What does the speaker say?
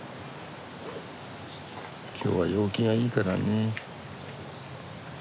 今日は陽気がいいからね。